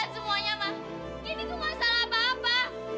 selamat tinggal ya ma